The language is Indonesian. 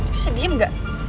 bisa diem gak